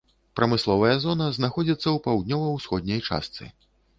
Прамысловая зона знаходзіцца ў паўднёва-ўсходняй частцы.